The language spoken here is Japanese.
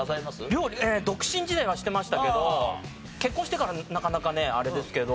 料理独身時代はしてましたけど結婚してからなかなかねあれですけど。